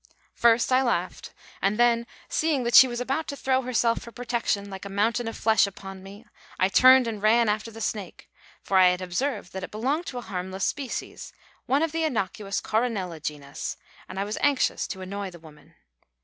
First I laughed, and then, seeing that she was about to throw herself for protection like a mountain of flesh upon me, I turned and ran after the snake for I had observed that it belonged to a harmless species, one of the innocuous Coronella genus and I was anxious to annoy the woman.